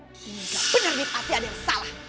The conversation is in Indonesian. ini enggak benar nih pasti ada yang salah